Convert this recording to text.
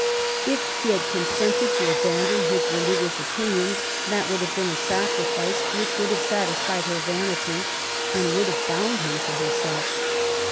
If he had consented to abandon his religious opinions, that would have been a sacrifice which would have satisfied her vanity and would have bound him to herself.